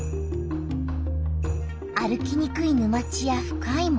歩きにくい沼地や深い森